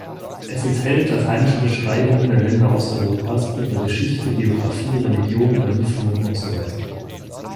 Es enthält lateinische Beschreibungen der Länder Osteuropas, ihrer Geschichte, Geografie, Religion, Überlieferungen usw.